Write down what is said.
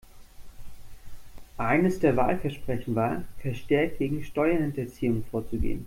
Eines der Wahlversprechen war, verstärkt gegen Steuerhinterziehung vorzugehen.